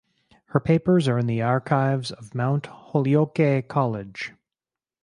Her papers are in the archives of Mount Holyoke College.